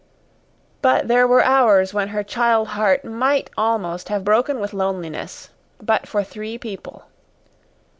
But there were hours when her child heart might almost have broken with loneliness but for three people.